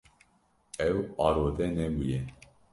Ew arode nebûye.